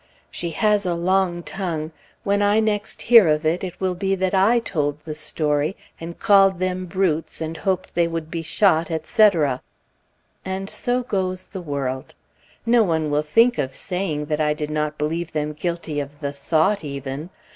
She has a long tongue; when I next hear of it, it will be that I told the story, and called them brutes and hoped they would be shot, etc. And so goes the world. No one will think of saying that I did not believe them guilty of the thought, even.